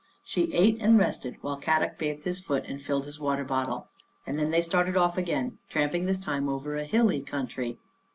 She ate and rested while Kadok bathed his foot and filled his water bottle, and then they started off again, tramping this time over a hilly country.